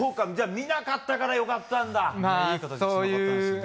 見なかったから良かったんだ。